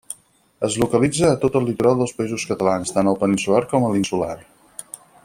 Es localitza a tot el litoral dels Països Catalans, tant al peninsular com a l'insular.